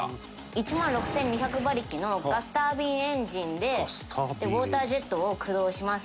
１万６２００馬力のガスタービンエンジンでウォータージェットを駆動します。